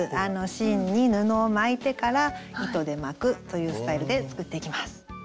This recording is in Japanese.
芯に布を巻いてから糸で巻くというスタイルで作っていきます。